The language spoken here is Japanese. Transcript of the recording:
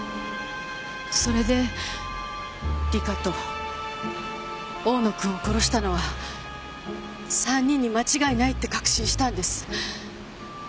それで里香と大野君を殺したのは３人に間違いないって確信したんです。